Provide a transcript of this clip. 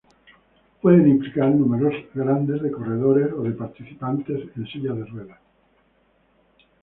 Pueden implicar números grandes de corredores o de participantes en silla de ruedas.